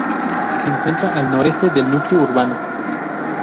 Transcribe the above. Se encuentra al noreste del núcleo urbano.